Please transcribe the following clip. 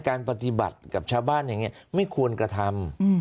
การปฏิบัติกับชาวบ้านอย่างนี้ไม่ควรกระทำ